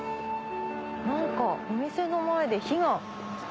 何かお店の前で火が。